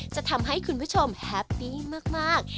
จะทำให้คุณผู้ชมแฮปปี้มาก